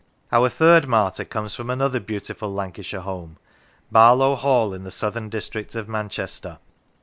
Our third martyr comes from another beautiful Lancashire home, Barlow Hall, in the southern district of Manchester.